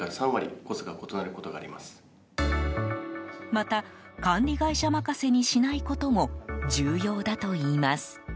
また管理会社任せにしないことも重要だといいます。